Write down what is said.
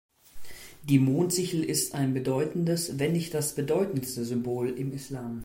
Die Mondsichel ist ein bedeutendes, wenn nicht das bedeutendste Symbol im Islam.